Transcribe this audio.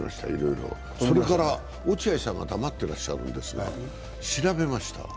落合さんが黙ってらっしゃるんですが調べました。